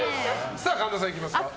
神田さん、いきますか。